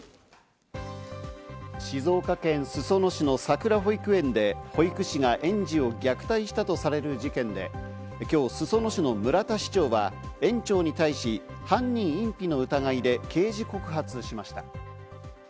静岡県裾野市のさくら保育園で、保育士が園児を虐待したとされる事件で、今日、裾野市の村田市長は園長に対し、犯人隠避の疑いで刑事告発しました。